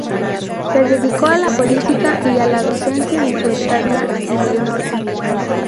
Se dedicó a la política y la docencia en su estadía en el norte.